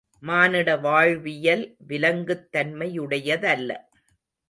மானிட வாழ்வியல், விலங்குத் தன்மையுடையதல்ல.